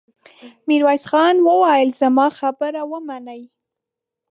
ميرويس خان وويل: زما خبره ومنئ!